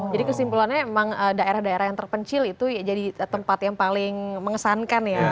kesimpulannya emang daerah daerah yang terpencil itu jadi tempat yang paling mengesankan ya